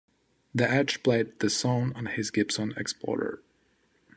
The Edge played the song on his Gibson Explorer.